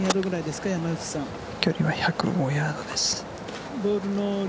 距離は１０５ヤードです。